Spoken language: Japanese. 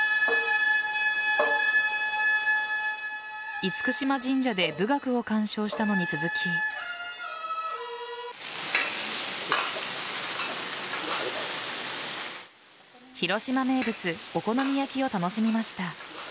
厳島神社で舞楽を鑑賞したのに続き広島名物お好み焼きを楽しみました。